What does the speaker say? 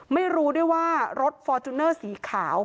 ไม่รู้ด้วยว่ารถฟอร์จูเนอร์สีขาว